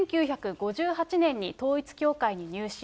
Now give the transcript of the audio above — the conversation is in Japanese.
１９５８年に統一教会に入信。